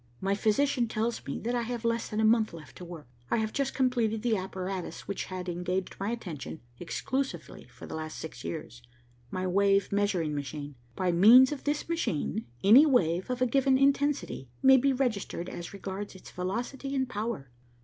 My physician tells me that I have less than a month left to work. I have just completed the apparatus which had engaged my attention exclusively for the last six years, my wave measuring machine. By means of this machine, any wave of a given intensity may be registered as regards its velocity and power."